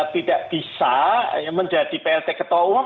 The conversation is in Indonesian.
tidak bisa menjadi plt ketua umum